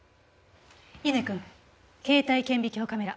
乾君携帯顕微鏡カメラ。